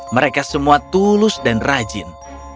mereka semua tulus dan rajin